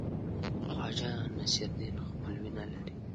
خواجه نصیرالدین خپلوي نه لري.